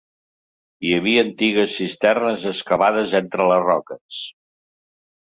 Hi havia antigues cisternes excavades entre les roques.